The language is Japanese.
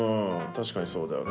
確かにそうだよな。